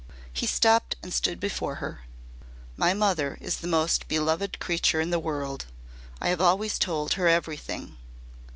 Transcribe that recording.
He stopped and stood before her. "My mother is the most beloved creature in the world. I have always told her everything.